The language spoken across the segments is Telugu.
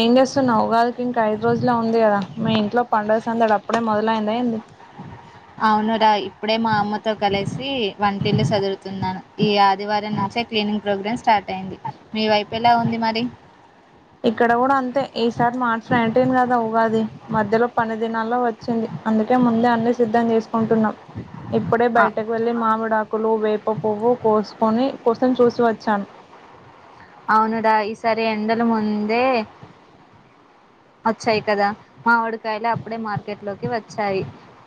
ఏం చేస్తున్నావ్ ఉగాదికి ఇంక ఐదు రోజులే ఉంది కదా. మీ ఇంట్లో పండుగ సందడి అప్పుడే మొదలైందా ఏంది అవునురా ఇప్పుడే మా అమ్మతో కలసి వంటిల్లు సదురుతున్నాను ఈ ఆదివారం నుంచే క్లీనింగ్ ప్రోగ్రాం స్టార్ట్ అయ్యింది మీ వైపు ఎలా ఉంది మరి ఇక్కడ కూడా అంతే ఈసారి మార్చ్ నైన్టీన్ కదా ఉగాది మధ్యలో పని దినాల్లో వచ్చింది అందుకే ముందే అన్నీ సిద్ధం చేసుకుంటున్నాం ఇప్పుడే ఆ బయటకు వెళ్ళి మామిడాకులు వే పు పువ్వు కోసుకొని [inaudible] చూసి వచ్చాను అవును డా ఈసారి ఎండలు ముందే అచ్చాయి కదా మామిడికాయలు అప్పుడే మార్కెట్ లోకి వచ్చాయి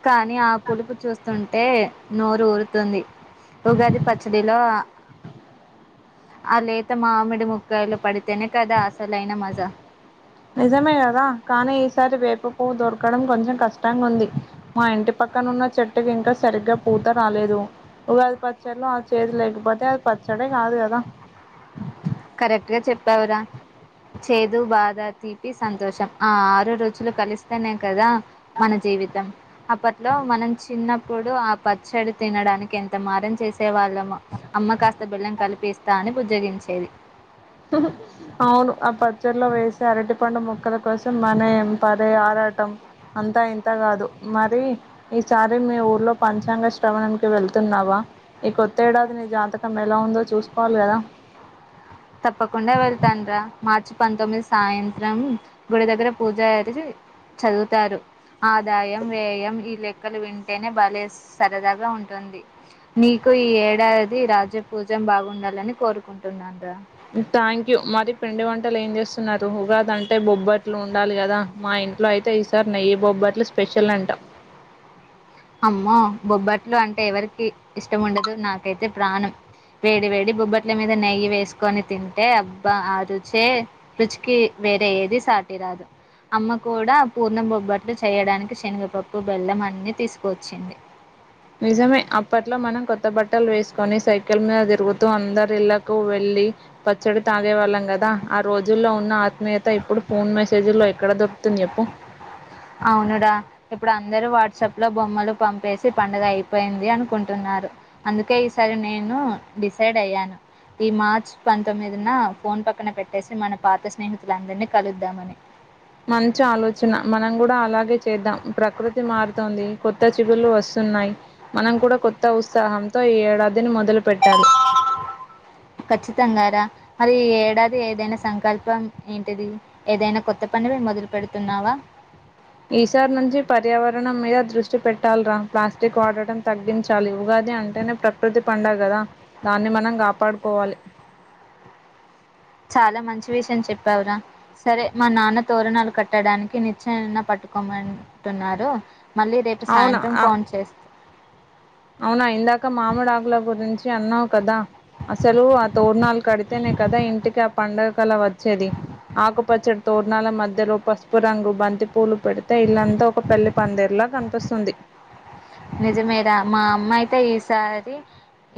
కానీ ఆ పులుపు చూస్ తుంటే నోరు ఊరుతుంది ఉగాది పచ్చడిలో ఆ లేత మామిడి ముక్కాయలు పడితేనే కదా అసలైన మజా నిజమే కదా కానీ ఈసారి వేప పువ్వు దొరకడం కొంచెం కష్టంగుంది మా ఇంటి పక్కనున్న చెట్టుకింకా సరిగ్గా పూత రాలేదు ఉగాది పచ్చల్లో ఆ చేదు లేకపోతే అది పచ్చడే కాదు కదా కరెక్ట్ గా చెప్పావురా చేదు బాధ తీపి సంతోషం ఆ ఆరు రుచులు కలిస్తేనే కదా మన జీవితం అప్పట్లో మనం చిన్నప్పుడు ఆ పచ్చడి తినడానికి ఎంత మారం చేసేవాళ్ళమో అమ్మ కాస్త బెల్లం కలిపిస్తా అని బుజ్జగించేది అవును ఆ పచ్చడ్లో వేసే అరటి పండు ముక్కల కోసం మన యం పరే ఆరాటం అంతా ఇంతా కాదు మరి ఈసారి మీ ఊర్లో పంచాంగ శ్రవణం కి వెళ్తున్నావా ఈ కొత్త ఏడాది నీ జాతకం ఎలా ఉందో చూసుకోవాలి కదా తప్పకుండా వెళ్తాను రా మార్చి పంతొమ్మిది సాయంత్రం గుడి దగ్గర పూజారి జి చదువుతారు ఆదాయం వ్యయం ఈ లెక్కలు వింటేనే భలే సరదాగా ఉంటుంది నీకు ఈ ఏడాది రాజపూజ్యం బాగుండాలని కోరుకుంటున్నాను రా థ్యాంక్ యూ మరి పిండి వంటలు ఏం చేస్తున్నారు ఉగాది అంటే బొబ్బట్లు ఉన్ ఉండాలి కదా మా ఇంట్లో ఐ తే ఈసారి నెయ్యి బొబ్బట్లు స్పెషల్ అంట అమ్మో బొబ్బట్లు అంటే ఎవరికి ఇష్టంముండదు నాకైతే ప్రాణం వేడి వేడి బొబ్బట్ల మీద నెయ్యి వేసుకొని తింటే అబ్బా ఆ రుచే రుచికి వేరే ఏది సాటిరాదు అమ్మ కూడా పూర్ణ బొబ్బట్లు చేయడానికి శనగపప్పు బెల్లం అన్ని తీసుకు వచ్చింది నిజమే అప్పట్లో మనం కొత్త బట్టలు వేసుకొని సైకిల్ మీద తిరుగుతూ అందరి ఇళ్లకు వెళ్లి పచ్చడి తాగేవాళ్ళం కదా ఆ రోజుల్లో ఉన్న ఆత్మీయత ఇప్పుడు ఫోన్ మెసేజ్ల్లో ఎక్కడ దొరుకుతుంది చెప్పు అవునుడా ఇప్పుడు అందరూ వాట్సాప్ లో బొమ్మలు పంపేసి పండుగ అయిపోయింది అనుకుంటున్నారు అందుకే ఈసారి నేను డిసైడ్ అయ్యాను ఈ మార్చ్ పంతొమ్మిది నా ఫోన్ పక్కన పెట్టేసి మన పాత స్నేహితులందరినీ కలుద్దామని మంచి ఆలోచన మనం కూడా అలాగే చేద్దాం ప్రకృతి మారుతోంది కొత్త చిగుళ్లు వస్తున్నాయి మనం కూడా కొత్త ఉత్సాహంతో ఈ ఏడాద్ దీని మొదలు పెట్టాలి అది ఈ ఏడాది ఏదైనా సంకల్పం ఏంటిది ఏదైనా కొత్త పని మొదలు పెడుతున్నావా ఈసారి నుంచి పర్యావరణం మీద దృష్టి పెట్టాలిరా ప్లాస్టిక్ వాడటం తగ్గించాలి ఉగాది అంటేనే ప్రకృతి పండగదా దాన్ని మనం కాపాడుకోవాలి చాలా మంచి విషయం చెప్పావురా సరే మా నాన్న తోరణాలు కట్టడానికి నిచ్చెనన పట్టుకోమంటున్నారు మళ్ళీ రేపు అవునా సాయంత్రం ఆ ఫోన్ చేస్ అవునా ఇందాక మాముడాకుల గురించి చి అన్నావు కదా అసలు ఆ తోరణాలు కడితేనే కదా ఇంటికి ఆ పండగ కల వచ్చేది ఆకుపచ్చడి తోరణాల మధ్యలో పసుపు రంగు బంతి పూలు పెడితే ఇల్లంతా ఒక పెళ్లి పందిరి లా కనిపిస్తుంది నిజమేరా మా అమ్మ అయితే ఈసారి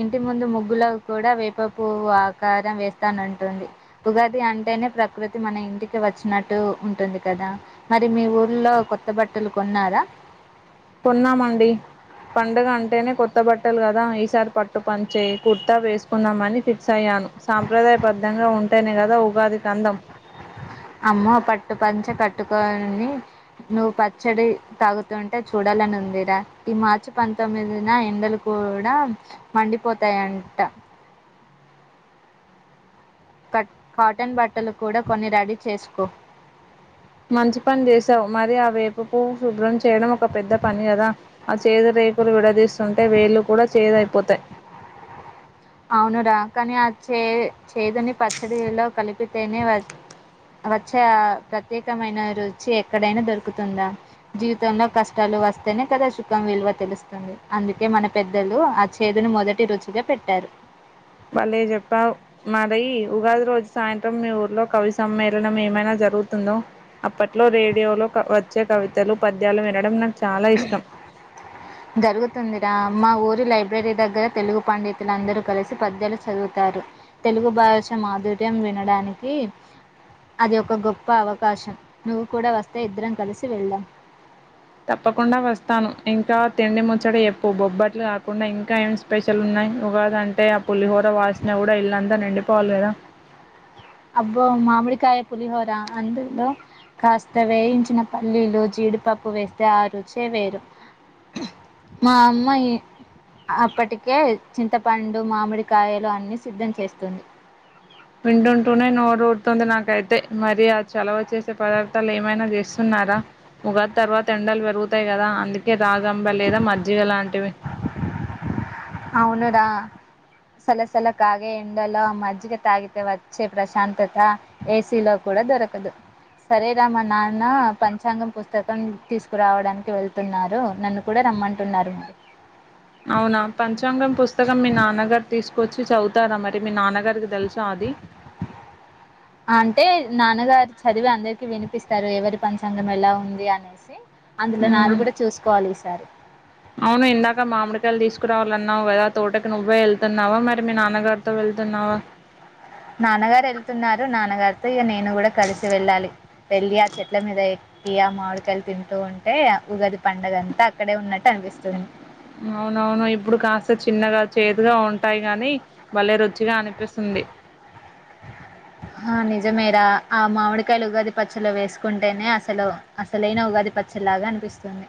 ఇంటి ముందు ముగ్గులో కూడా వేపపువ్వు ఆకారం వేస్తానంటుంది ఉగాది అంటేనే ప్రకృతి మన ఇంటికి వచ్చినట్టు ఉంటుంది కదా మరి మీ ఊర్లో కొత్త బట్టలు కొన్నారా కొన్నామండి పండుగ అంటేనే కొత్త బట్టలు కదా ఈసారి పట్టు పంచే కుర్తా వేసుకుందామని ఫిక్స్ అయ్యాను సాంప్రదాయబద్ధంగా ఉంటేనే కదా ఉగాదికందం అమ్మో పట్టు పంచ కట్టుకని నువ్వు పచ్చడి తాగుతుంటే చూడాలని ఉందిరా ఈ మార్చి పంతొమ్మిదిన ఎండలు కూడా మండిపోతాయంట క కాటన్ బట్టలు కూడా కొన్ని రెడీ చేసుకో మంచి పని చేసావు మరి ఆ వేపు పువ్వు శుభ్రం చే చేయడం ఒక పెద్ద పని కదా ఆ చేదు రేకులు విడదీస్తుంటే వేళ్లుు కూడా చేదు అయిపోతాయి అవునురా కానీ ఆ చే చేదుని పచ్చడిలో కలిపితేనే వచ్చే ఆ ప్రత్యేకమైన రుచి ఎక్కడైనా దొరుకుతుందా జీవితంలో కష్టాలు వస్తేనే కదా సుఖం విలువ తెలుస్తుంది అందుకే మన పెద్దలు ఆ చేదుని మొదటి రుచిగా పెట్టారు బలేచెప్పావ్ మరీ ఉగాది రోజు సాయంత్రం మీ ఊర్లో కవి సమ్మేళనం ఏమైనా జరుగుతుందో అప్పట్లో రేడియోలో క వచ్చే కవితలు పద్యాలు వినడం నాకు చ జరుగుతుందిరా అమ్మా ఊరు ప్రతి లైబ్రరీ దగ్గర తెలుగు పండితులందరూ కలిసి పద్యాలు చదువుతారు తెలుగు భాష మాధుర్యం వినడానికి అది ఒక గొప్ప అవకాశం నువ్వు కూడా వస్తే ఇద్దరం కలిసి వెళ్ళాం తప్పకుండా వస్తాను ఇంకా తిండి ముచ్చడి చెప్పు బొబ్బట్లు కాకుండా ఇంకా ఏం స్పెషల్ ఉన్నాయి ఉగాదంటే ఆ పుల్లిహోర వాసన కూడా ఇల్లంతా నిండిపోవాలి కదా అబ్బో మామిడికాయ పులిహోర అందులో కాస్త వేయించిన పల్లీలు జీడిపప్పు వేస్తే ఆ రుచే వేరు మా అమ్మ ఈ అప్పటికే చింతపండు మామిడికాయలు అన్ని సిద్ధం చేస్తుంది వింటుంట్టూనే నోరూ ఊరుతుంది నాకైతే మరి అది చాల వచ్చ నిల్వ చేసే పదార్థాలు ఏమైనా చేస్తున్నారా ఉగా తర్వాత ఎండాలు పెరుగుతాయి కదా అందుకు ఇ రాగంబ లేదా మజ్జిగ లాంటివి అవును రా సలసల కాగే ఎండలో మజ్జిగ తాగితే వచ్చే ప్రశాంతత ఏసీలో కూడా దొరకదు సరేరా మా నాన్న పంచాంగం పుస్తకం తీసుకురావడానికి వెళ్తున్నారు నన్ను కూడా రమ్మంటున్నారు అవునా పంచాంగం పుస్తకం మీ నాన్నగారు తీసుకొచ్చి చదవుతారా మరి మీ నాన్నగ గారికి తెలుసా అది అంటే నాన్నగారు చదివి అందరికి వినిపిస్తారు ఎవరి పంచాంగం ఎలా ఉంది అనేసి అందులో నాది మ్మ్ కూడా చూసుకోవాలి ఈసారి అవును ఇందాక మామిడికాయలు తీసుకురావాలన్నావు కదా తోటకి నువ్వే వెళ్తున్నావా మరి మీ నాన్నగారితో వెళ్తున్నావా నాన్నగారు వెళ్తున్నారు నాన్నగారు ఇక నేను కూడా కలిసి వెళ్ళాలి వెళ్ళి ఆ చెట్ల మీద ఎక్కి ఆ మామిడికాయలు తింటూ ఉంటే ఉగాది పండగ అంతా అక్కడే ఉన్నట్టు అనిపిస్తుంది అవునవును ఇప్పుడు కాస్త చిన్నగా చేదుగా ఉంటాయి గాని భలే రుచిగా అనిపి పిస్తుంది నిజమేర ఆ మామిడికాయలు ఉగాది పచ్చలు వేసుకుంటేనే అసలు అసలైన ఉగాది పచ్చలాగా అనిపిస్తుంది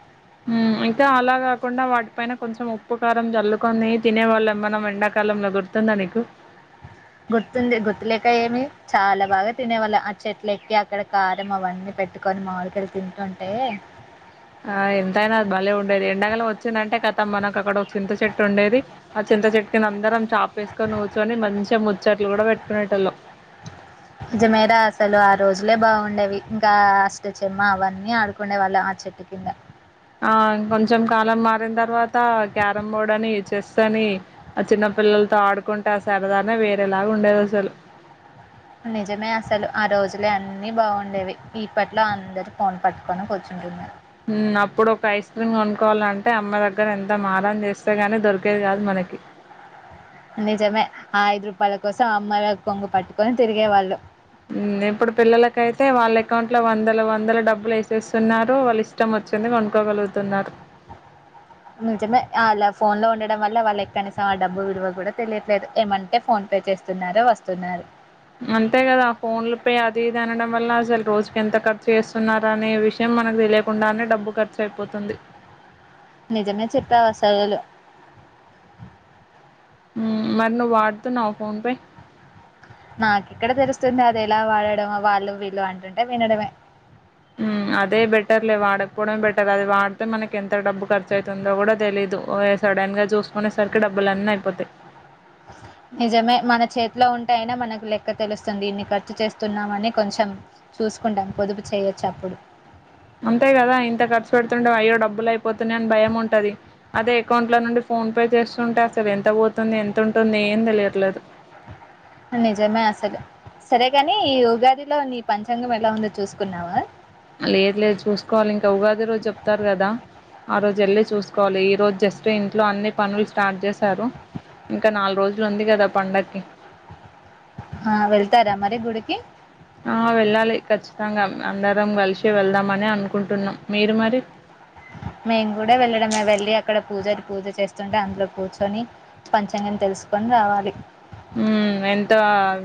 మ్ ఇంకా అలా కాకుండా వాటిపైన కొంచెం ఉప్పు కారం జల్లుకొని తినే వాళ్ళం మనం ఎండాకాలం లో గుర్తుతుందా మీకు గుర్తుంది గుర్తులేక ఏమి చాలా బాగా తినే వాళ్ళం ఆ చెట్లు ఎక్కి అక్కడ కారం అవన్నీ పెట్టుకొని మామిడి కాయలు తింటుంటే ఆ ఎంతైనా అది భలే ఉండేది ఎండాకాలం వచ్చిందంటే కథమ్ మనకు అక్కడ ఒక చింత చెట్టు ఉండేది ఆ చింత చెట్టు కింద అందరం చాపేసుకొని కూర్చుని మంచిగా ముచ్చట్లు కూడా పెట్టుకునేటోల్లం నిజమేరా అసలు ఆ రోజులే బాగుండేవి ఇంకా అష్టచమ్మ అవన్నీ ఆడుకుండే వాళ్ళం ఆ చెట్టు కింద ఆ కొంచెం కాలం మారిన తర్వాత క్యారమ్ బోర్డ్ అని చెస్ స్త కాని ఆ చిన్న పిల్లలతో ఆడుకుంట ఆ సరదానే వేరేలాగా ఉండేది అసలు నిజమే అసలు ఆ రోజులే అన్నిీ బాగుండేవి ఇప్పట్లో అందరు ఫోన్ పట్టుకొని కూర్చుంటున్నారు మ్ అప్పుడు ఒక ఐస్ క్రీమ్ కొనుక్కోవాలంటే అమ్మ దగ్గర ఎంత మారం చేస్తే గని దొరికేది కాదు మనకి నిజమే ఆ ఐదు రూపాల కోసం అమ్మా యి కొంగు పట్టుకొని తిరిగేవాళ్ళు ఊమ్ ఇప్పుడు పిల్లలకయితే వాళ్ళ అకౌంట్ లో వందల వందల డబ్బులు ఏసేస్తున్నారు, వాళ్ళ ఇష్టం ఒచ్చింది కొనుకోగలుగుతున్నారు. నిజమే ఆళ్ళ ఫోన్ లో ఉండడం వల్ల వాళ్ళకు కనీసం ఆ డబ్బు విలువ గూడా తెలియట్లేదు, ఏమంటే ఫోన్ పే చేస్తున్నారు, వస్తున్నారు. అంతే గదా ఫోన్లు పే అది ఇది అనడం వల్ల అసలు రోజుకి ఎంత ఖర్చు ఏస్తున్నారనే విషయం మనకు దెలీయకుండానే డబ్బు కర్చయిపోతుంది. నిజమే చెప్పావసాలు ఊమ్ మరి నువ్వు వడుతున్నావా ఫోన్ పే? నాకెక్కడ దెలుస్తుంది, అది ఎలా వాడడం వాళ్ళు వీళ్ళు అంటుంటే వినడమే. ఊమ్ అదే బెటర్లే వాడకపోవమే బెటర్ అది, వాడితే మనకి ఎంత డబ్బు ఖర్చయితుందో గూడా తెలీదు ఓయ సడన్ గా జూసుకునేసరికి డబ్బులన్నీ అయిపోతయి. నిజమే మన చేతిలో ఉంటే అయినా మనకు లెక్క తెలుస్తుంది, ఇన్ని ఖర్చు చేస్తున్నామని కొంచెం చూసుకుంటాం పొదుపు చేయొచ్చు అప్పుడు. అంతే గదా ఇంత ఖర్చు వెడుతుండు అయ్యో డబ్బులు అయిపోతున్నా అని భయం ఉంటది. అదే అకౌంట్ లో నుండి ఫోన్ పే చేస్తుంటే అసలు ఎంత ఓతుంది ఎంత ఉంటుంది ఏం తెలియట్లేదు. నిజమే అసలు, సరేగాని ఈ ఉగాదిలో నీ పంచాంగం ఎలా ఉందో చూసుకున్నావా? లేదు లేదు చూసుకోవాలి ఇంకా ఉగాది రోజు జెప్తారు గదా ఆ రోజు ఎళ్ళి చూసుకోవాలి ఈరోజు జస్ట్ ఇంట్లో అన్ని పనులు స్టార్ట్ జేశారు ఇంకా నాలుగు రోజులు ఉంది గదా పండకి ఆ వెళ్తారా మరి గుడికి? ఆ వెళ్ళాలి ఖచ్చితంగా అందరం గలిషి వెళ్దామని అనుకుంటున్నం, మీరు మరి? మేం గూడా వెళ్ళడమే వెళ్ళి అక్కడ పూజరు పూజ చేస్తుంటే అందులో కూర్చొని పంచంగం తెలుసుకొని రావాలి. ఊమ్ ఎంత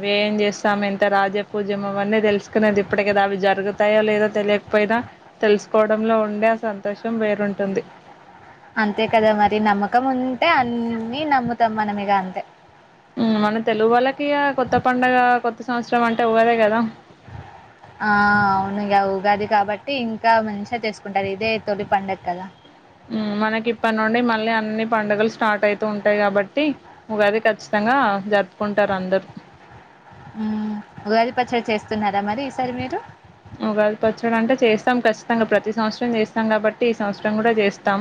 వ్యయం జేస్తాం ఎంత రాజ పూజ్యం అవన్నీ దెలుసుకునేది ఇప్పడే గదా. అవి జరుగుతాయో లేదో తెలియకపోయినా, తెలుసుకోవడంలో ఉండే ఆ సంతోషం వేరుంటుంది. అంతే కదా మరి నమ్మకం ఉంటే అన్నీ నమ్ముతం మన మిగ అంతే. ఊమ్ మన తెలుగు వాళ్ళకి ఇగ కొత్త పండగ కొత్త సంవత్సరం అంటే ఉగాదే గదా. ఆ అవును ఇగ ఉగాది కాబట్టి ఇంకా మంచిగా చేసుకుంటారు ఇదే తొలి పండగ కద. ఊమ్ మనకి ఇప్పటి నుండి మళ్ళీ అన్ని పండుగలు స్టార్ట్ అయితూ ఉంటయి గాబట్టి ఉగాది కచ్చితంగా జరుప్ ఊమ్ ఉగాది పచ్చడి చేస్ స్తున్నారా మరి ఈ సారి మీరు? ఉగాది పచ్చడి అంటే చేస్తాం ఖచ్చితంగా ప్రతి సంవత్సరం జేస్తాం గాబట్టి, ఈ సంవత్సరం గూడా జేస్తాం.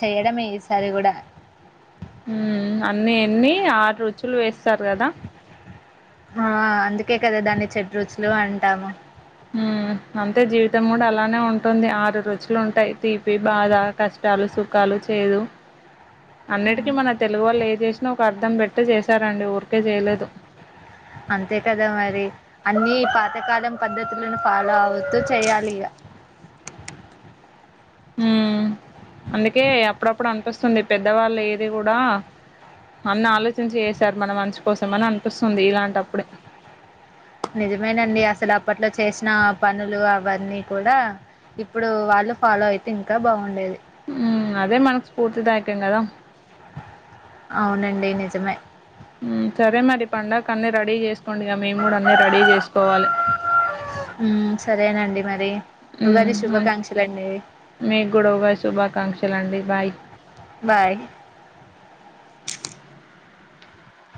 చేయడమే ఈసారి గూడా. ఊమ్ అన్నీ ఎన్ని ఆరు రుచులు వేస్తారు గదా. ఆ అందుకే కదా దాన్ని చెడ్రుచులు అంటాము. ఊమ్ అంతే జీవితం గూడా అలానే ఉంటుంది, ఆరు రుచులు ఉంటాయి. తీపి, బాధ, కష్టాలు, సుఖాలు, చేదు. అన్నిటికీ మన తెలుగు వాళ్ళు ఏ జేషినా ఒక అర్ ర్థం పెట్టి జేశారండి ఊర్. అంతే కదా మరి. అన్ని పా తకాలం పద్ధతులను ఫాలో అవుతూ చెయ్యాలి ఇగ. ఊమ్ అందుకే అప్పుడప్పుడు అనిపిస్తుంది, పెద్దవాళ్ళు ఏది గూడా అన్ని ఆలోచించి ఏసారు మన మంచి కోసం అని అనిపిస్తుంది, ఇలాంటప్పుడే. నిజమేనండి అసలు అప్పట్లో చేసిన పనులు, అవన్నీ కూడా ఇప్పుడు వాళ్ళు ఫాలో అయితే ఇంకా బావుండేది. ఊమ్ అదే మనకు స్పూర్తిదాయకం గదా. మే ఊమ్ సరే మరి పండగ కన్నీ రెడీ యేస్ కోండిగ మేము గూడా అన్నీ రెడీ జేస్కోవాలే, హ్మ్. సరేనండి మరి. మ్ ఉగాది హూ శుభాకాంక్షలండి. మీకు గూడా ఉగాది శుభాకాంక్షలు అండి బాయ్. బాయ్.